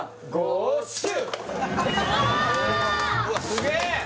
すげえ！